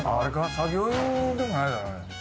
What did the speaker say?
作業用でもないか。